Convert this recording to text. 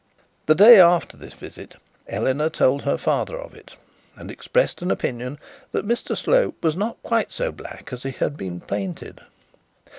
The day after this visit Eleanor told her father of it, and expressed an opinion that Mr Slope was not quite so black as he had been painted.